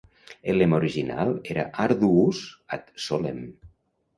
El lema original era "Arduus ad Solem".